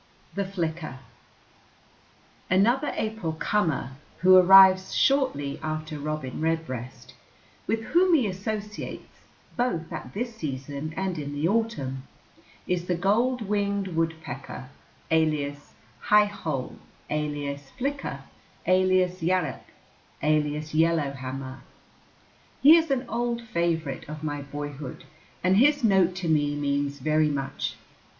THE FLICKER Another April comer, who arrives shortly after Robin Redbreast, with whom he associates both at this season and in the autumn, is the golden winged woodpecker, alias "high hole," alias "flicker," alias "yarup," alias "yellow hammer." He is an old favorite of my boyhood, and his note to me means very much.